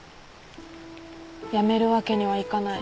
辞めるわけにはいかない。